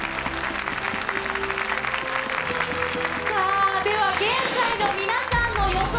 さあ、では現在の皆さんの予想